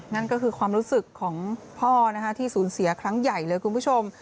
นั่นก็คือความรู้สึกของพ่อที่สูญเสียครั้งใหญ่เลยคุณผู้ชม